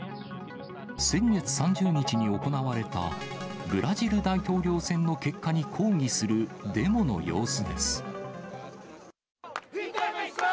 先月３０日に行われたブラジル大統領選の結果に抗議するデモの様子です。